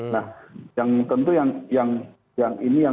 nah yang tentu yang ini yang terkait dengan pembiayaan